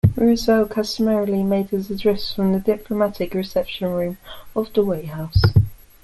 Roosevelt customarily made his address from the Diplomatic Reception Room of the White House.